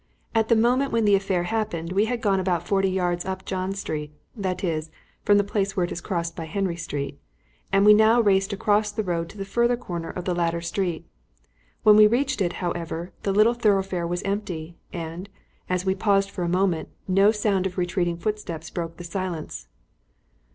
At the moment when the affair happened we had gone about forty yards up John Street, that is, from the place where it is crossed by Henry Street, and we now raced across the road to the further corner of the latter street. When we reached it, however, the little thoroughfare was empty, and, as we paused for a moment, no sound of retreating footsteps broke the silence.